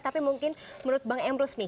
tapi mungkin menurut bang emrus nih